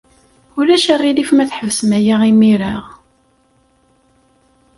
Ulac aɣilif ma tḥebsem aya imir-a!